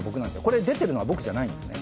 これ出てるのは僕じゃないんですね。